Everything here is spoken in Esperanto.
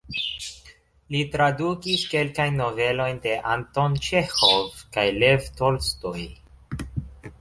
Li tradukis kelkajn novelojn de Anton Ĉeĥov kaj Lev Tolstoj.